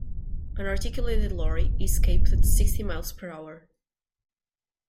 An articulated lorry is capped at sixty miles-per-hour.